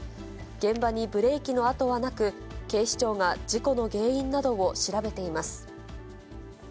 現場にブレーキの跡はなく、警視庁が事故の原因などを調べています。